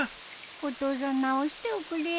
お父さん直しておくれよ。